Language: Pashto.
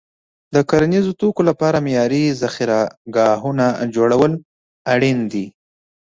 د کرنیزو توکو لپاره معیاري ذخیره ګاهونه جوړول اړین دي.